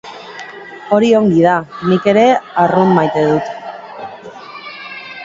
Hori ongi da, nik ere arrunt maite dut.